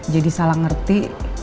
jadi salah ngerti